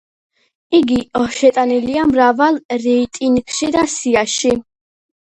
იგი შეტანილია მრავალ რეიტინგში და სიაში.